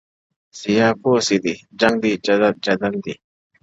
سیاه پوسي ده! جنگ دی جدل دی!